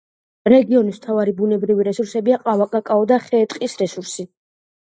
რეგიონის მთავარი ბუნებრივი რესურსებია: ყავა, კაკაო და ხე-ტყის რესურსი.